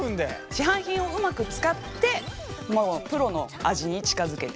市販品をうまく使ってプロの味に近づけて。